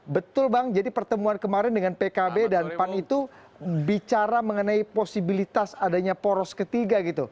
betul bang jadi pertemuan kemarin dengan pkb dan pan itu bicara mengenai posibilitas adanya poros ketiga gitu